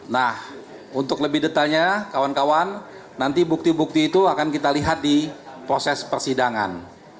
nah untuk lebih detailnya kawan kawan nanti bukti bukti itu akan kita lihat di proses persidangan